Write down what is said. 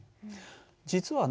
実はね